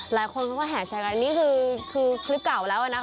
หลายคนเขาก็แห่แชร์กันนี่คือคลิปเก่าแล้วนะคะ